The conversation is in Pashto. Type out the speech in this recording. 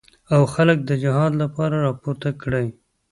او خلک د جهاد لپاره راپورته کړي.